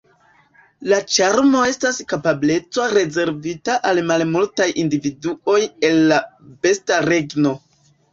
La ĉarmo estas kapableco rezervita al malmultaj individuoj el la besta regno.